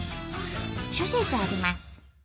諸説あります。